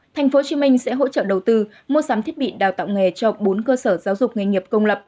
tp hcm sẽ hỗ trợ đầu tư mua sắm thiết bị đào tạo nghề cho bốn cơ sở giáo dục nghề nghiệp công lập